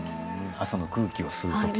朝の空気を吸う時が。